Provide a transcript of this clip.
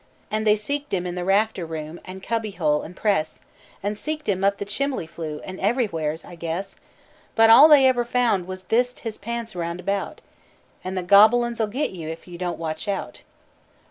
An' they seeked him in the rafter room, an' cubby hole, an' press, An' seeked him up the chimbley flue, an' ever'wheres, I guess; But all they ever found was thist his pants an' roundabout! An' the Gobble uns 'll git you, ef you don't watch out!"